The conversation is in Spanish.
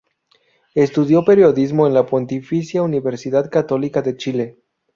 Estudió periodismo en la Pontificia Universidad Católica de Chile.